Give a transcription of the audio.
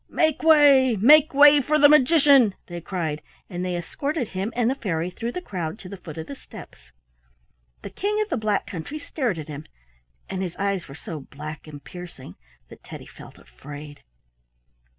"Make way! make way for the magician!" they cried, and they escorted him and the fairy through the crowd to the foot of the steps. The King of the Black Country stared at him, and his eyes were so black and piercing that Teddy felt afraid.